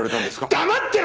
黙ってろ！